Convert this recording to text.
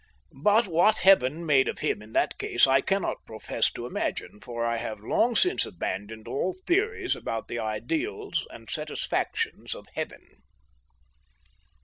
But what Heaven made of him in that case I cannot profess to imagine, for I have long since abandoned all theories about the ideals and satisfactions of Heaven.